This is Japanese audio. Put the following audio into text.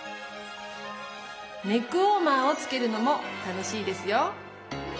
ネックウォーマーをつけるのも楽しいですよ。